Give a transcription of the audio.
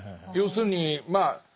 要するにまあ